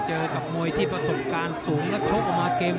เจอกับมวยที่ประสบการณ์สูงและโชคออกมาเกมอย่างยก